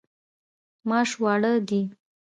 ماش واړه دي.